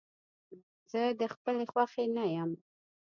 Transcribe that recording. زه د خپلې خوښې نه يم.